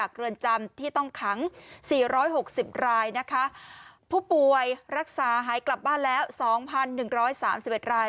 เรือนจำที่ต้องขัง๔๖๐รายนะคะผู้ป่วยรักษาหายกลับบ้านแล้ว๒๑๓๑ราย